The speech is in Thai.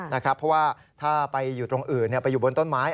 เพราะว่าถ้าไปอยู่ตรงอื่นไปอยู่บนต้นไม้